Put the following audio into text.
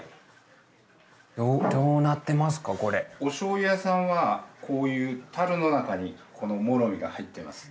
お醤油屋さんはこういう樽の中にこのもろみが入ってます。